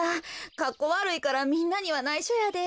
かっこわるいからみんなにはないしょやで。